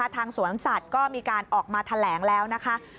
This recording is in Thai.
ทางสวนสัตว์ก็มีการออกมาแถลงแล้วนะคะ